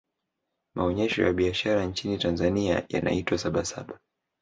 maonyesho ya biashara nchini tanzania yanaitwa sabasaba